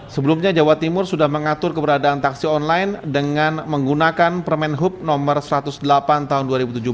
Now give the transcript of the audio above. sebelumnya jawa timur sudah mengatur keberadaan taksi online dengan menggunakan permen hub no satu ratus delapan tahun dua ribu tujuh belas